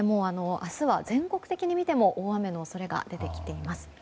明日は全国的に見ても大雨の恐れが出てきています。